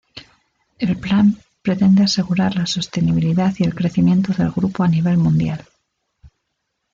El plan pretende asegurar la sostenibilidad y el crecimiento del grupo a nivel mundial.